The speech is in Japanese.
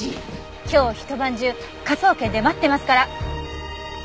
今日ひと晩中科捜研で待ってますから。